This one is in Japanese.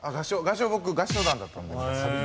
合唱僕合唱団だったんで昔。